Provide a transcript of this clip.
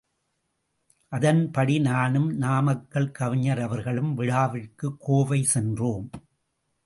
அதன்படி நானும் நாமக்கல் கவிஞர்.அவர்களும் விழாவிற்கு கோவை சென்றோம்.